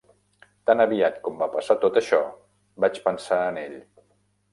Tan aviat com va passar tot això, vaig pensar en ell.